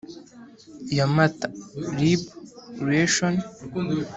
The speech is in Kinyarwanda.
ya mata lib ration